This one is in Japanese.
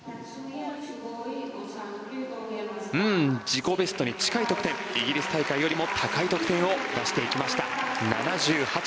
自己ベストに近い得点イギリス大会よりも高い得点を出していきました。